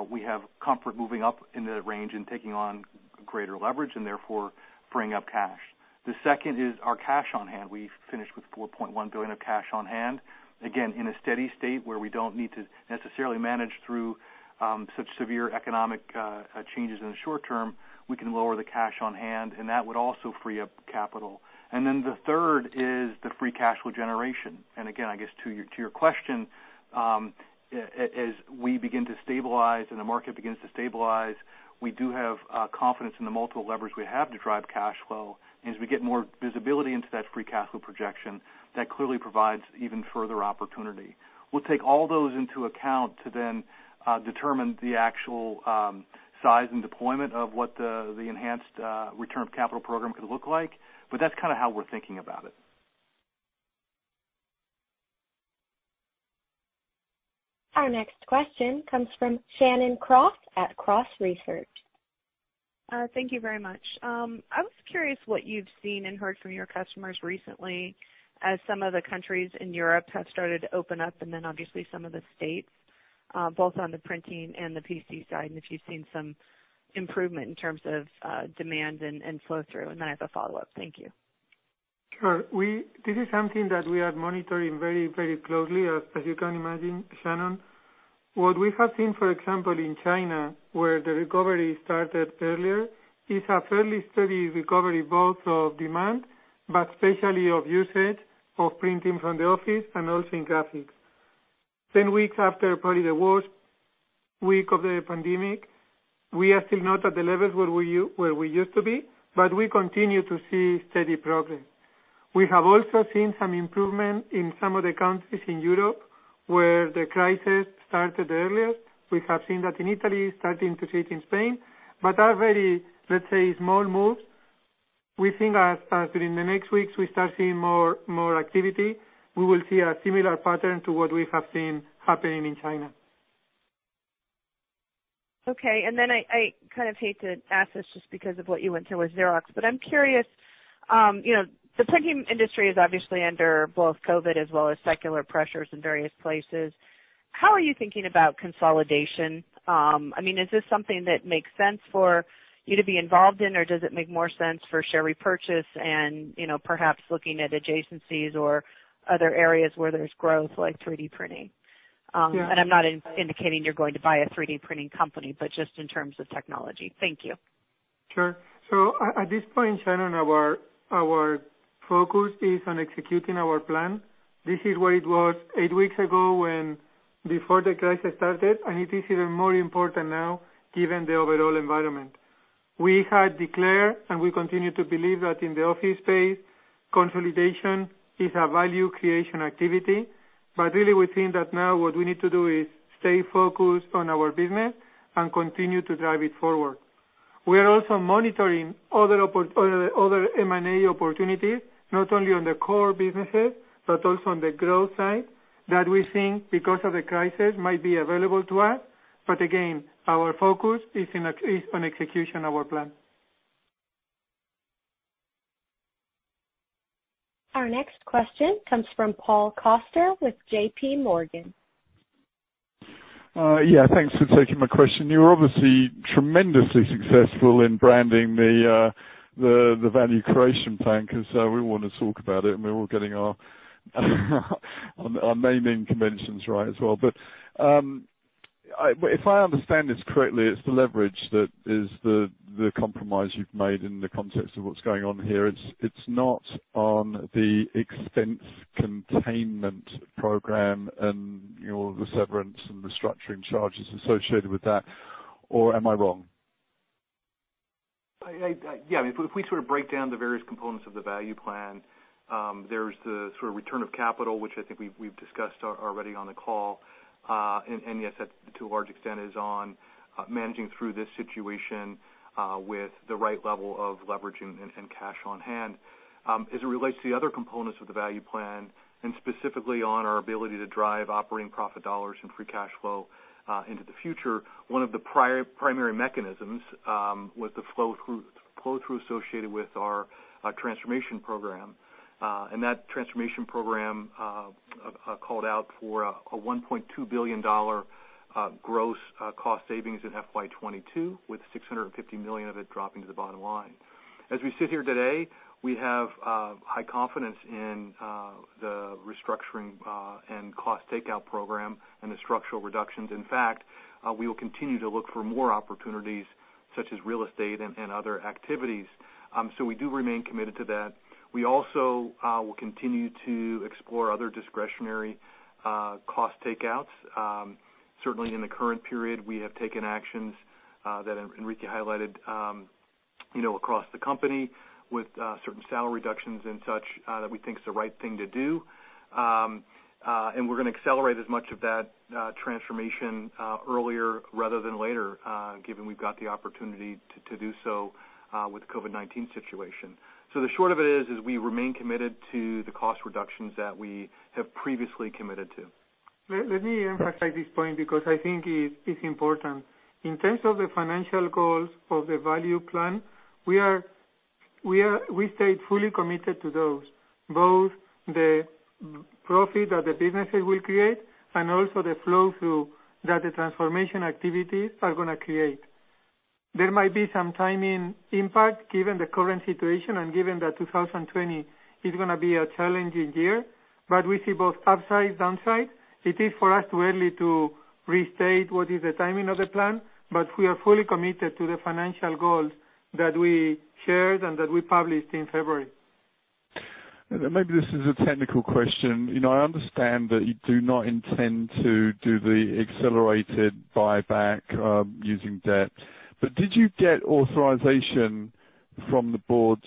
Speaker 4: we have comfort moving up in the range and taking on greater leverage, and therefore freeing up cash. The second is our cash on hand. We finished with $4.1 billion of cash on hand. Again, in a steady state where we don't need to necessarily manage through such severe economic changes in the short term, we can lower the cash on hand, and that would also free up capital. The third is the free cash flow generation. Again, I guess to your question, as we begin to stabilize and the market begins to stabilize, we do have confidence in the multiple levers we have to drive cash flow. As we get more visibility into that free cash flow projection, that clearly provides even further opportunity. We'll take all those into account to then determine the actual size and deployment of what the enhanced return of capital program could look like. That's kind of how we're thinking about it.
Speaker 1: Our next question comes from Shannon Cross at Cross Research.
Speaker 8: Thank you very much. I was curious what you've seen and heard from your customers recently as some of the countries in Europe have started to open up, and then obviously some of the states, both on the printing and the PC side, and if you've seen some improvement in terms of demand and flow through? I have a follow-up. Thank you.
Speaker 3: Sure. This is something that we are monitoring very closely, as you can imagine, Shannon. What we have seen, for example, in China, where the recovery started earlier, is a fairly steady recovery both of demand, but especially of usage of printing from the office and also in graphics. 10 weeks after probably the worst week of the pandemic, we are still not at the levels where we used to be, but we continue to see steady progress. We have also seen some improvement in some of the countries in Europe where the crisis started earlier. We have seen that in Italy, starting to see it in Spain, but are very, let's say, small moves. We think as during the next weeks, we start seeing more activity. We will see a similar pattern to what we have seen happening in China.
Speaker 8: I kind of hate to ask this just because of what you went through with Xerox, but I'm curious. The printing industry is obviously under both COVID as well as secular pressures in various places. How are you thinking about consolidation? Is this something that makes sense for you to be involved in, or does it make more sense for share repurchase and perhaps looking at adjacencies or other areas where there's growth, like 3D printing? I'm not indicating you're going to buy a 3D printing company, but just in terms of technology. Thank you.
Speaker 3: Sure. At this point, Shannon, our focus is on executing our plan. This is what it was eight weeks ago before the crisis started, and it is even more important now given the overall environment. We had declared, and we continue to believe that in the office space, consolidation is a value creation activity. Really, we think that now what we need to do is stay focused on our business and continue to drive it forward. We are also monitoring other M&A opportunities, not only on the core businesses, but also on the growth side that we think because of the crisis, might be available to us. Again, our focus is on execution our plan.
Speaker 1: Our next question comes from Paul Coster with JPMorgan.
Speaker 9: Yeah. Thanks for taking my question. You were obviously tremendously successful in branding the value creation plan, because we want to talk about it, and we're all getting our naming conventions right as well. If I understand this correctly, it's the leverage that is the compromise you've made in the context of what's going on here. It's not on the expense containment program and all of the severance and the restructuring charges associated with that, or am I wrong?
Speaker 4: If we break down the various components of the value plan, there's the return of capital, which I think we've discussed already on the call. Yes, that to a large extent is on managing through this situation, with the right level of leverage and cash on hand. As it relates to the other components of the value plan, specifically on our ability to drive operating profit dollars and free cash flow into the future, one of the primary mechanisms was the flow-through associated with our transformation program. That transformation program called out for a $1.2 billion gross cost savings in FY 2022, with $650 million of it dropping to the bottom line. As we sit here today, we have high confidence in the restructuring and cost takeout program and the structural reductions. In fact, we will continue to look for more opportunities such as real estate and other activities. We do remain committed to that. We also will continue to explore other discretionary cost takeouts. Certainly in the current period, we have taken actions, that Enrique highlighted, across the company with certain salary reductions and such, that we think is the right thing to do. We're going to accelerate as much of that transformation earlier rather than later, given we've got the opportunity to do so with the COVID-19 situation. The short of it is, we remain committed to the cost reductions that we have previously committed to.
Speaker 3: Let me emphasize this point because I think it's important. In terms of the financial goals for the value plan, we stay fully committed to those, both the profit that the businesses will create and also the flow-through that the transformation activities are going to create. There might be some timing impact given the current situation and given that 2020 is going to be a challenging year, but we see both upside, downside. It is for us too early to restate what is the timing of the plan, but we are fully committed to the financial goals that we shared and that we published in February.
Speaker 9: Maybe this is a technical question. I understand that you do not intend to do the accelerated buyback using debt, but did you get authorization from the board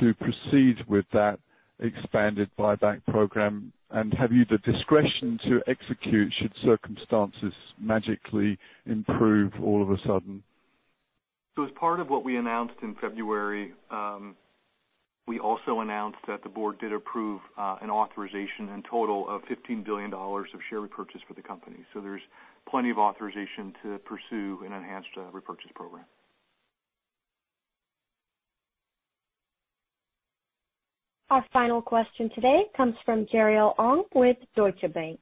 Speaker 9: to proceed with that expanded buyback program? Have you the discretion to execute should circumstances magically improve all of a sudden?
Speaker 4: As part of what we announced in February, we also announced that the board did approve an authorization in total of $15 billion of share repurchase for the company. There's plenty of authorization to pursue an enhanced repurchase program.
Speaker 1: Our final question today comes from Jeriel Ong with Deutsche Bank.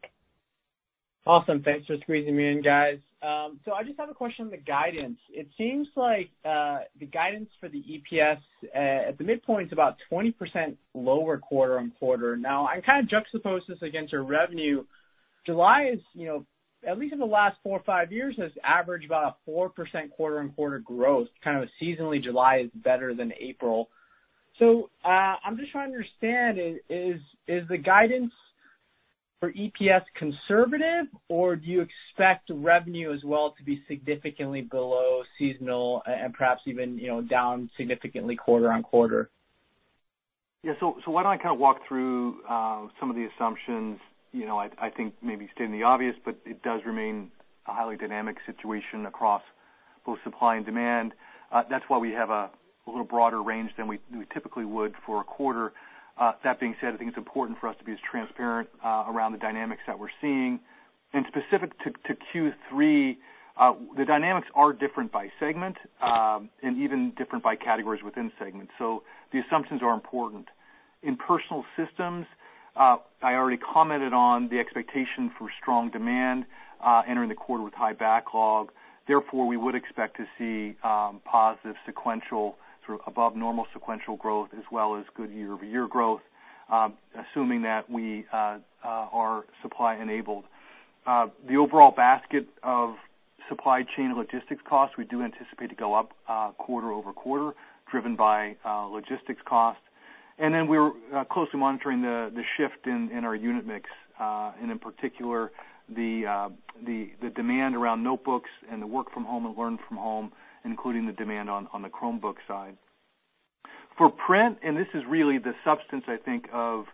Speaker 10: Awesome. Thanks for squeezing me in, guys. I just have a question on the guidance. It seems like the guidance for the EPS at the midpoint is about 20% lower quarter-on-quarter. I kind of juxtapose this against your revenue. July is, at least in the last four or five years, has averaged about a 4% quarter-on-quarter growth, kind of a seasonally July is better than April. I'm just trying to understand, is the guidance for EPS conservative, or do you expect revenue as well to be significantly below seasonal and perhaps even down significantly quarter-on-quarter?
Speaker 4: Yeah. Why don't I walk through some of the assumptions. I think maybe stating the obvious, but it does remain a highly dynamic situation across both supply and demand. That's why we have a little broader range than we typically would for a quarter. That being said, I think it's important for us to be as transparent around the dynamics that we're seeing. Specific to Q3, the dynamics are different by segment, and even different by categories within segments. The assumptions are important. In personal systems, I already commented on the expectation for strong demand entering the quarter with high backlog. Therefore, we would expect to see positive sequential through above normal sequential growth as well as good year-over-year growth, assuming that we are supply enabled. The overall basket of supply chain logistics costs, we do anticipate to go up quarter-over-quarter, driven by logistics costs. Then we're closely monitoring the shift in our unit mix, and in particular, the demand around notebooks and the work from home and learn from home, including the demand on the Chromebook side. For print, this is really the substance, I think, of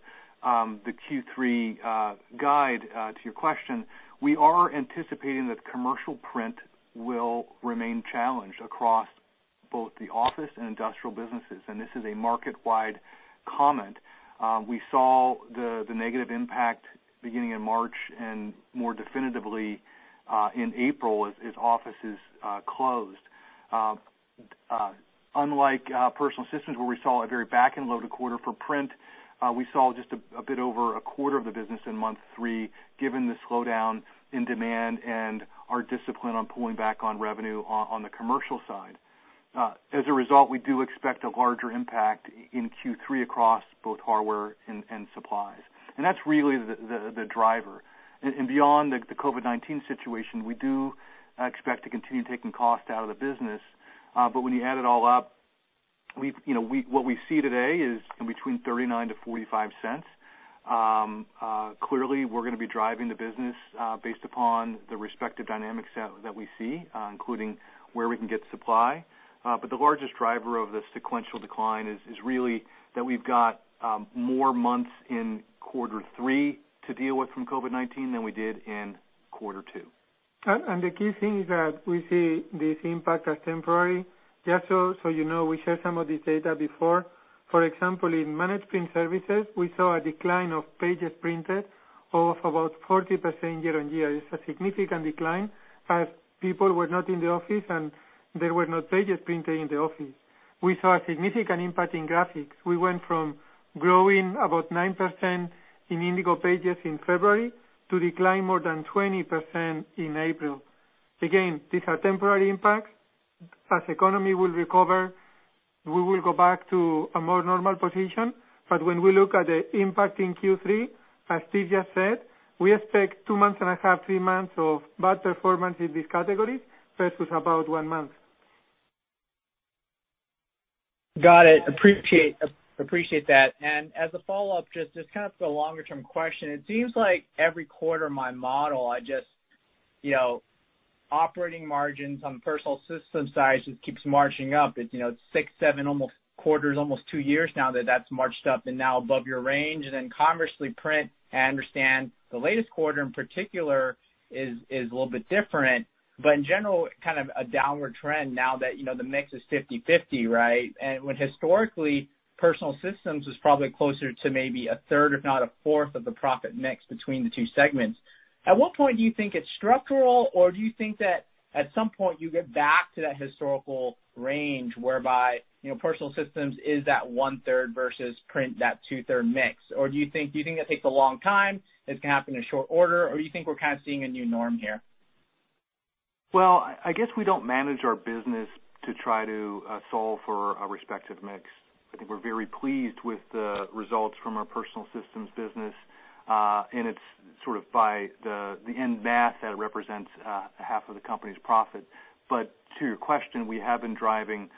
Speaker 4: the Q3 guide to your question, we are anticipating that commercial print will remain challenged across both the office and industrial businesses, and this is a market-wide comment. We saw the negative impact beginning in March and more definitively in April as offices closed. Unlike personal systems, where we saw a very back-end loaded quarter for print, we saw just a bit over a quarter of the business in month three, given the slowdown in demand and our discipline on pulling back on revenue on the commercial side. As a result, we do expect a larger impact in Q3 across both hardware and supplies. That's really the driver. Beyond the COVID-19 situation, we do expect to continue taking cost out of the business. When you add it all up, what we see today is in between $0.39-$0.45. Clearly, we're going to be driving the business based upon the respective dynamics that we see, including where we can get supply. The largest driver of the sequential decline is really that we've got more months in Q3 to deal with from COVID-19 than we did in Q2.
Speaker 3: The key thing is that we see this impact as temporary. Just so you know, we shared some of this data before. For example, in managed print services, we saw a decline of pages printed of about 40% year-on-year. It's a significant decline as people were not in the office, and there were no pages printed in the office. We saw a significant impact in graphics. We went from growing about 9% in Indigo pages in February to decline more than 20% in April. These are temporary impacts. The economy will recover, we will go back to a more normal position. When we look at the impact in Q3, as Steve just said, we expect two months and a half, three months of bad performance in these categories versus about one month.
Speaker 10: Got it. Appreciate that. As a follow-up, just kind of a longer-term question. It seems like every quarter, my model, operating margins on Personal Systems just keeps marching up. It's six, seven almost quarters, almost two years now that that's marched up and now above your range. Conversely, Print, I understand the latest quarter in particular is a little bit different. In general, kind of a downward trend now that the mix is 50/50, right? When historically, Personal Systems was probably closer to maybe a third, if not a fourth of the profit mix between the two segments. At what point do you think it's structural, or do you think that at some point you get back to that historical range whereby Personal Systems is that one-third versus Print that two-thirds mix? Do you think that takes a long time, it's going to happen in short order, or you think we're kind of seeing a new norm here?
Speaker 4: Well, I guess we don't manage our business to try to solve for a respective mix. I think we're very pleased with the results from our personal systems business. It's sort of by the end math that represents half of the company's profit. To your question, we have been driving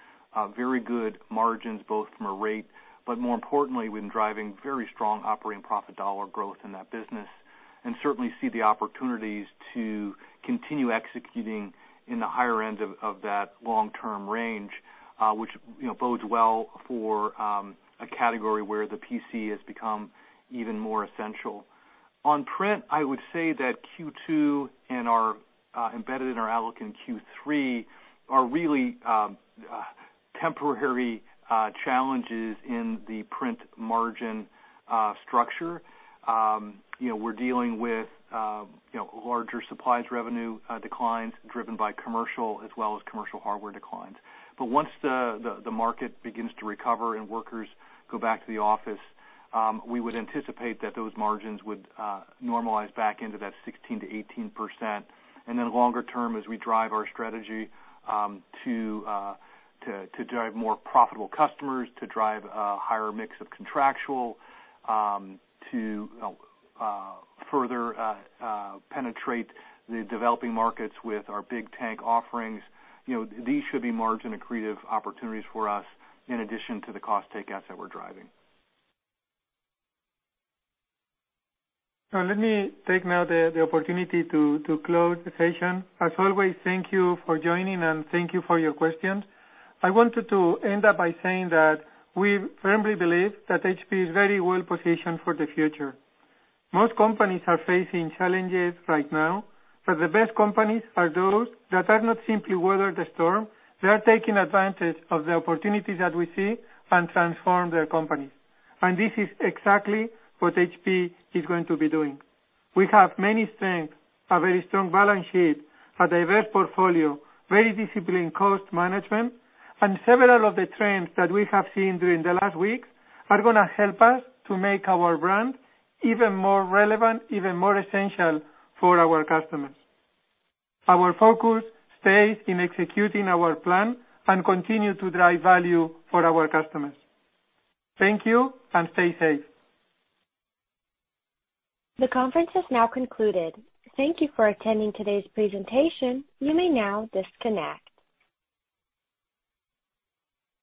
Speaker 4: very good margins, both from a rate, but more importantly, we've been driving very strong operating profit dollar growth in that business and certainly see the opportunities to continue executing in the higher end of that long-term range, which bodes well for a category where the PC has become even more essential. On print, I would say that Q2 and are embedded in our outlook in Q3 are really temporary challenges in the print margin structure. We're dealing with larger supplies revenue declines driven by commercial as well as commercial hardware declines. Once the market begins to recover and workers go back to the office, we would anticipate that those margins would normalize back into that 16%-18%. Longer term, as we drive our strategy to drive more profitable customers, to drive a higher mix of contractual, to further penetrate the developing markets with our Big Tank offerings, these should be margin-accretive opportunities for us in addition to the cost takeouts that we're driving.
Speaker 3: Let me take now the opportunity to close the session. As always, thank you for joining, and thank you for your questions. I wanted to end up by saying that we firmly believe that HP is very well positioned for the future. Most companies are facing challenges right now, the best companies are those that are not simply weather the storm. They are taking advantage of the opportunities that we see and transform their companies. This is exactly what HP is going to be doing. We have many strengths, a very strong balance sheet, a diverse portfolio, very disciplined cost management, and several of the trends that we have seen during the last weeks are going to help us to make our brand even more relevant, even more essential for our customers. Our focus stays in executing our plan and continue to drive value for our customers. Thank you, and stay safe.
Speaker 1: The conference has now concluded. Thank you for attending today's presentation. You may now disconnect.